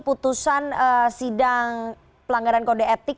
putusan sidang pelanggaran kode etik